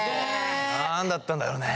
何だったんだろうね。